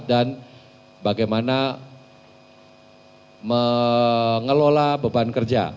dan bagaimana mengelola beban kerja